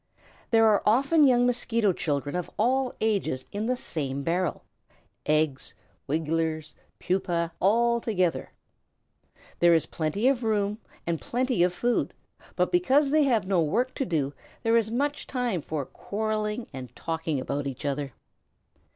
There are often young Mosquito children of all ages in the same barrel eggs, Wigglers, and Pupæ all together. There is plenty of room and plenty of food, but because they have no work to do there is much time for quarrelling and talking about each other.